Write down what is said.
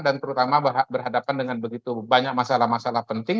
dan terutama berhadapan dengan begitu banyak masalah masalah penting